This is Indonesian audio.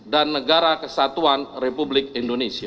dan negara kesatuan republik indonesia